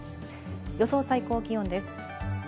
予想最高気温です。